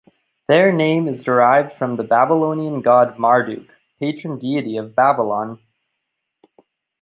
Their name is derived from the Babylonian god Marduk, patron deity of Babylon.